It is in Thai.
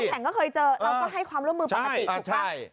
นั่งแหน่งก็เคยเจอแล้วก็ให้ความร่วมมือปกติใช่ใช่อ่ะใช่